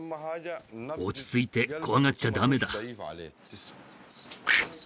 落ち着いて怖がっちゃダメだガッ！